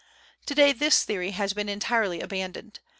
To day this theory has been entirely abandoned.